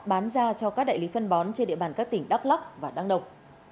bán ra cho các đại lý phân bón trên địa bàn các tỉnh đắk lắc và đăng nông